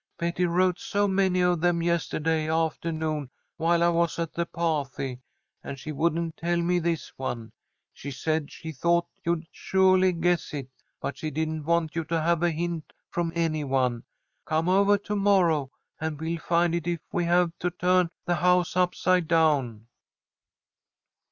"Betty wrote so many of them yestahday aftahnoon while I was at the pah'ty, and she wouldn't tell me this one. She said she thought you'd suahly guess it, but she didn't want you to have a hint from any one. Come ovah to morrow, and we'll find it if we have to turn the house upside down."